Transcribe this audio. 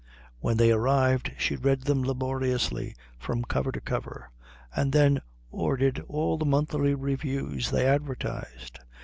When they arrived she read them laboriously from cover to cover, and then ordered all the monthly reviews they advertised.